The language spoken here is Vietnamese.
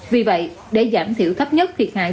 vì vậy để giảm thiểu thấp nhất thiệt hại